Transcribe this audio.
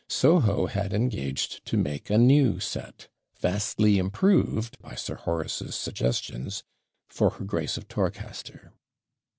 Soho had engaged to make a new set, vastly improved, by Sir Horace's suggestions, for her Grace of Torcaster.